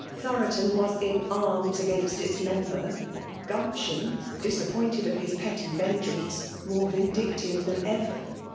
Thoaro . ton, was in arms against its member ; Gumption, disaj^pointed of his petty vengeance^ more vin dictive than ever.